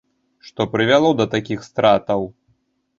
Што прывяло да такіх стратаў?